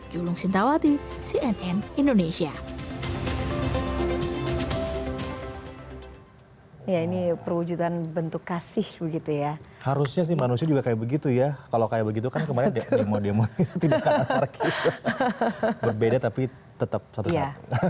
julung sintawati cnn indonesia